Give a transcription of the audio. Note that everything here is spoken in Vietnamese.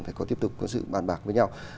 phải có tiếp tục sự bàn bạc với nhau